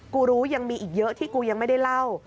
กูรู้ยังมีอีกเยอะที่กูยังไม่ได้เล่า